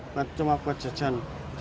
nggak cuma buat jajan